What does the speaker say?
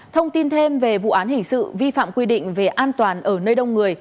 thông tin thêm về vụ án hình sự vi phạm quy định về an toàn ở nơi đông người